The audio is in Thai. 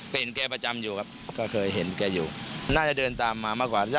เป็นแกประจำอยู่ครับก็เคยเห็นแกอยู่น่าจะเดินตามมามากกว่า